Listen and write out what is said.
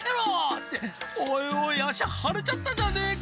「っておいおい足腫れちゃったじゃねえか」